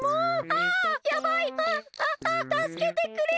あっあったすけてくれ！